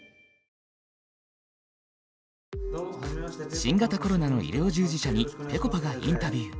新型コロナの医療従事者にぺこぱがインタビュー。